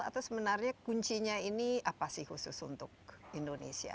atau sebenarnya kuncinya ini apa sih khusus untuk indonesia